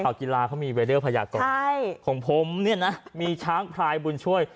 ข่าวกีฬาเขามีเวลาพยากรของผมเนี่ยนะมีช้างพลายบุญช่วย